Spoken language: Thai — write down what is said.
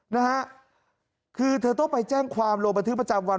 นะฮะคือเธอต้องไปแจ้งความลงบันทึกประจำวัน